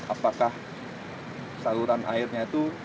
apakah saluran airnya itu